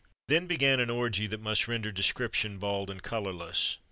Then began an orgy that must render description bald and colorless.